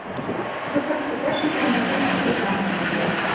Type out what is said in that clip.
Выхад іпэшнікаў на вуліцы працягнецца.